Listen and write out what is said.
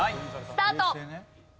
スタート！